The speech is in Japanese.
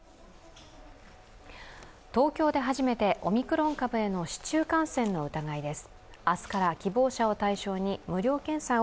東京で初めてオミクロン株への市中感染の疑いです。